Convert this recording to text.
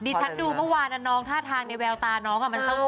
ดีชัดดูเมื่อวานนะน้องท่าทางนแววตาน้องเนี่ยมันแซ่ว